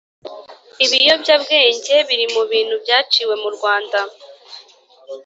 Ibiyobyabwenge birimubintu byaciwe murwanda